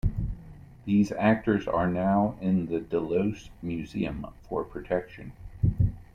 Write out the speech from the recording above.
These actors are now in the Delos Museum for protection.